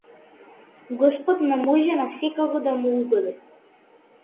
Господ на може на секого да му угоди.